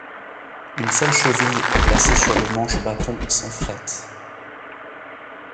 Une seule cheville est placée sur le manche bâton sans frette.